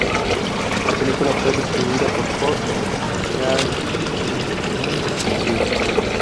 La película fue distribuida por Fox Searchlight Pictures.